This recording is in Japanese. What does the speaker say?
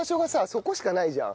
そこしかないじゃん。